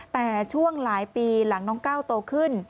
แต่ช่วงหลายปีหลังน้องก้าวโตขึ้น